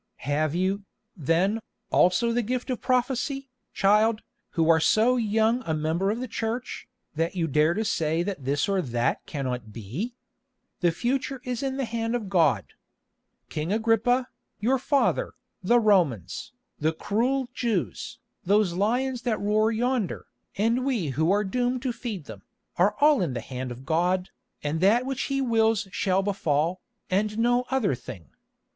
"Have you, then, also the gift of prophecy, child, who are so young a member of the Church, that you dare to say that this or that cannot be? The future is in the hand of God. King Agrippa, your father, the Romans, the cruel Jews, those lions that roar yonder, and we who are doomed to feed them, are all in the hand of God, and that which He wills shall befall, and no other thing.